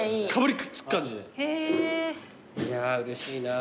いやーうれしいな。